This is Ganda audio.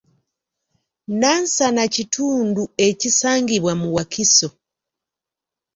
Nansana kitundu ekisangibwa mu Wakiso.